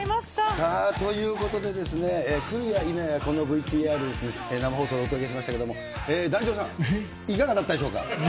さあ、ということで、来るやいなや生放送でお届けしましたけど、團十郎さん、いかがだったでしょうか。